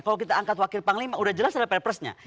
kalau kita angkat wakil panglima udah jelas ada perpresnya